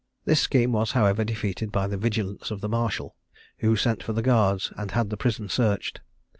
This scheme was, however, defeated by the vigilance of the marshal, who sent for the guards and had the prison searched.